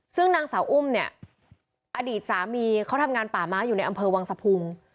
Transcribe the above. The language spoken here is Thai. ซึ่งนางสาวอุ้มเนี่ยอดีตสามีเขาทำงานป่าม้าอยู่ในอำเภอวังสะพุง